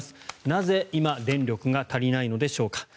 なぜ、今電力が足りないのでしょうか。